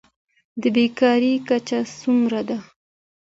د بیکارۍ کچه څومره ده؟